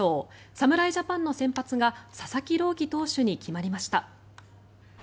侍ジャパンの先発が佐々木朗希投手に決まりました。